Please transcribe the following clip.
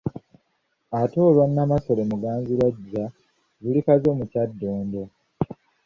Ate olwa Nnamasole Muganzirwazza luli Kazo mu Kyadondo.